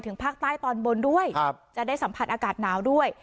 ภาคใต้ตอนบนด้วยจะได้สัมผัสอากาศหนาวด้วย